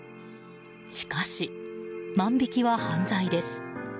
しかし万引きは犯罪です。